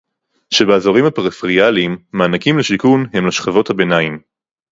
שבאזורים הפריפריאליים מענקים לשיכון הם לשכבות הביניים